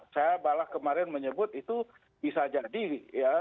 saya malah kemarin menyebut itu bisa jadi ya